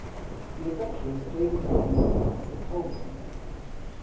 The adventurers gave it the name of the ''Caldron Linn.